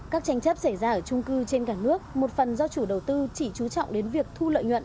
các tranh chấp xảy ra ở trung cư trên cả nước một phần do chủ đầu tư chỉ chú trọng đến việc thu lợi nhuận